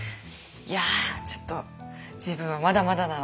いやちょっと自分はまだまだだな。